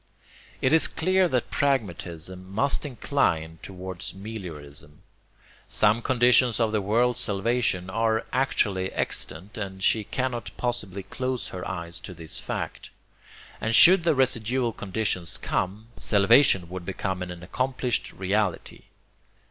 It is clear that pragmatism must incline towards meliorism. Some conditions of the world's salvation are actually extant, and she cannot possibly close her eyes to this fact: and should the residual conditions come, salvation would become an accomplished reality.